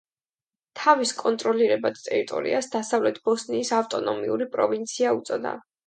თავის კონტროლირებად ტერიტორიას დასავლეთ ბოსნიის ავტონომიური პროვინცია უწოდა.